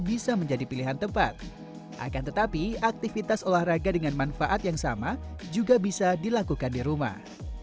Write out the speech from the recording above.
bisa menjadi pilihan tempat akan tetapi aktivitas olahraga dengan manfaat yang sama juga bisa dilakukan di rumah